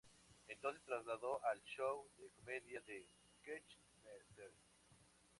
Entonces se trasladó al show de comedia de sketch "Mr.